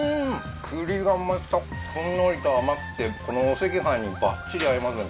栗がまたほんのりと甘くてこのお赤飯にバッチリ合いますね